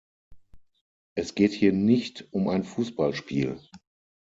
Es geht hier nicht um ein Fußballspiel.